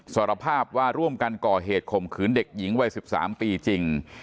สารภาพว่าร่วมกันก่อเหตุข่มขืนเด็กหญิงวัย๑๓ปีจริง